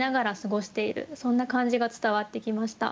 そんな感じが伝わってきました。